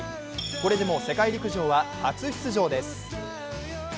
これでも世界陸上は初出場です。